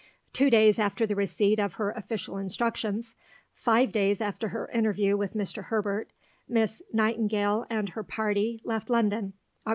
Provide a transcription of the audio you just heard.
Two days after the receipt of her official instructions, five days after her interview with Mr. Herbert, Miss Nightingale and her party left London (Oct.